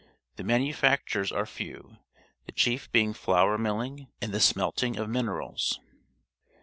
The manufactures are few, the chief being flour milHng and the smelting of minerals.